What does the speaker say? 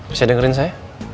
bisa dengerin saya